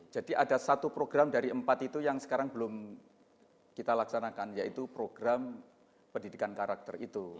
jadi ada satu program dari empat itu yang sekarang belum kita laksanakan yaitu program pendidikan karakter itu